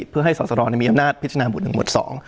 เพื่อให้สอสรมีอำนาจพิจารณาหวด๑หมวด๒